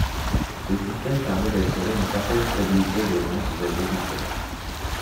Ce système permet d’assurer une certaine stabilité des ventes aux agriculteurs.